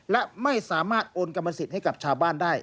และไม่สามารถโอนกรรมสิทธิ์ให้กับชาวบ้านได้